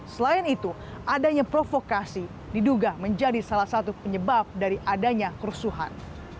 selain itu adanya provokasi diduga menjadi salah satu penyebab dari adanya kerusuhan